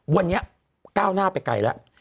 วันนี้ก้าวหน้าไปไกลแล้ว